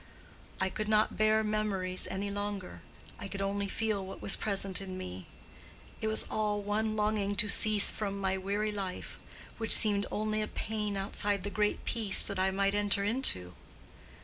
I could not bear memories any more; I could only feel what was present in me—it was all one longing to cease from my weary life, which seemed only a pain outside the great peace that I might enter into.